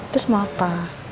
terus mau apa